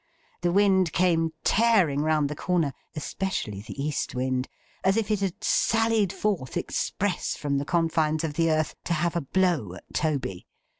The wind came tearing round the corner—especially the east wind—as if it had sallied forth, express, from the confines of the earth, to have a blow at Toby.